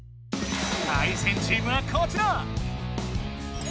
対戦チームはこちら！